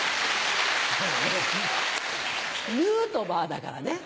ヌートバーだからね。